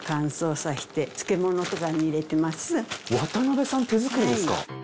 渡辺さん手作りですか？